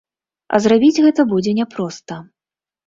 А зрабіць гэта будзе няпроста.